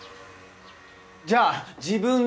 じゃあ自分で。